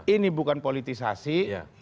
ini bukan politisasi